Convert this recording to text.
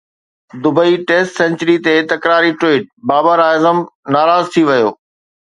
Dubai test جي century تي تڪراري ٽوئيٽ، بابر اعظم ناراض ٿي ويو